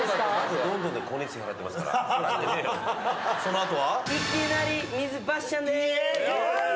その後は？